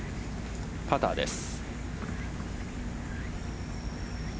パターです。